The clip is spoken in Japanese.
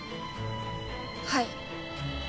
はい。